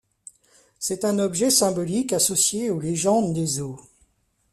C'est un objet symbolique associé aux légendes des eaux.